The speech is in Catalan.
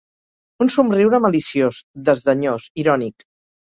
Un somriure maliciós, desdenyós, irònic.